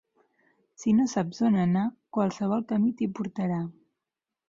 Si no saps on anar, qualsevol camí t'hi portarà.